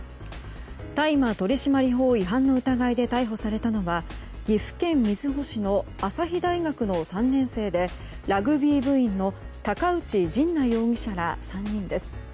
大麻取締法違反の疑いで逮捕されたのは岐阜県瑞穂市の朝日大学の３年生でラグビー部員の高内仁成容疑者らです。